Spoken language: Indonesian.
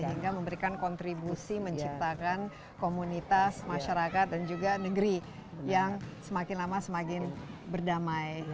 sehingga memberikan kontribusi menciptakan komunitas masyarakat dan juga negeri yang semakin lama semakin berdamai